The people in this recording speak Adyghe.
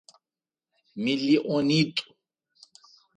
Миллионитӏу.